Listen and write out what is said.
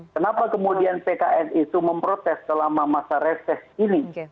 kenapa kemudian pkn itu memprotes selama masa reses ini